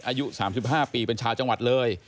อายุ๓๕ปีเป็นชาวจังหวัดเลย